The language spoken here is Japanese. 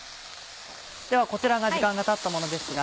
こちらが時間がたったものですが。